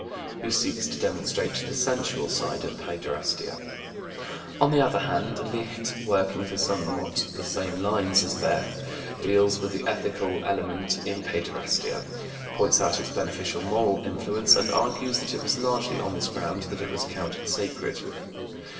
254 260) who seeks to demonstrate the sensual side of paiderastia. On the other hand, Licht, working on somewhat the same lines as Bethe (Zeitschrift für Sexualwissenschaft, August, 1908), deals with the ethical element in paiderastia, points out its beneficial moral influence, and argues that it was largely on this ground that it was counted sacred.